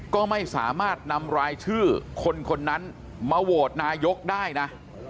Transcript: ก็ไม่สามารถนำรายชื่อคนคนนั้นมาโหวตนายกได้นะ